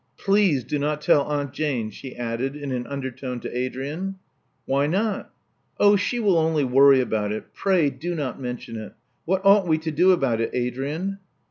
"Please do not tell Aunt Jane," she added in an undertone to Adrian. Whynot?" Oh, she will only worry about it. Pray do not mention it. What ought we to do about it, Adrian?"